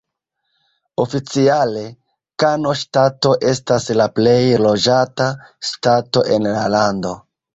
Oficiale, Kano Ŝtato estas la plej loĝata ŝtato en la lando.